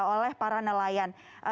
oleh para nelayan